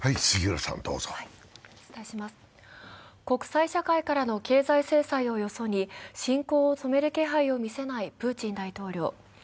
国際社会からの経済制裁をよそに侵攻を止める気配を見せないプーチン大統領。